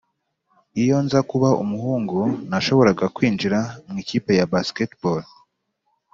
iyo nza kuba umuhungu, nashoboraga kwinjira mu ikipe ya baseball.